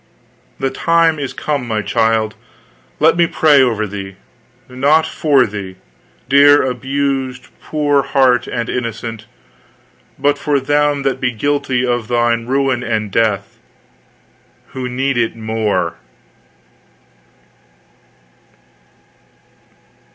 The time is come, my child; let me pray over thee not for thee, dear abused poor heart and innocent, but for them that be guilty of thy ruin and death, who need it more."